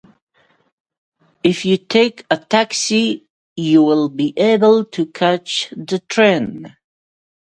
If you take a taxi, you will be able to catch the train.